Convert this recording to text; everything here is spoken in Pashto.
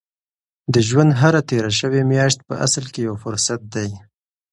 د ژوند هره تېره شوې میاشت په اصل کې یو فرصت دی.